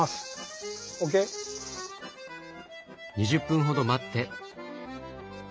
２０分ほど待って。